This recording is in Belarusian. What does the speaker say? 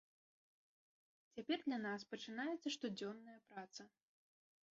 Цяпер для нас пачынаецца штодзённая праца.